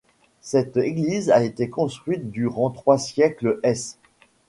Cette église a été construite durant trois siècles - s.